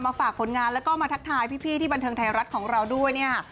ฝากผลงานแล้วก็มาทักทายพี่ที่บันเทิงไทยรัฐของเราด้วยเนี่ยค่ะ